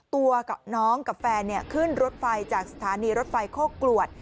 ตัวน้องกับแฟนขึ้นรถไฟจากสถานีรถไฟโคกกลวด